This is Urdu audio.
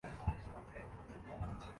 آپ اس طرف کا کبھی قصد نہ کریں